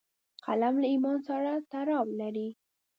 قلم له ایمان سره تړاو لري